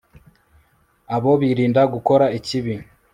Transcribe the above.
abo birinda gukora ikibi